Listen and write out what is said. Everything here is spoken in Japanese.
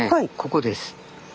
ここです。